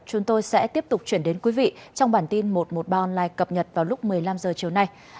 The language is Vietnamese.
chúng tôi sẽ tiếp tục chuyển đến quý vị trong bản tin một trăm một mươi ba online cập nhật vào lúc một mươi năm h chiều nay